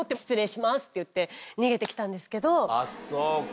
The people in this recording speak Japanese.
あっそうか。